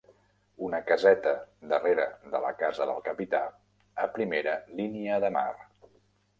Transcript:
Una caseta darrere de la casa del capità a primera línia de mar.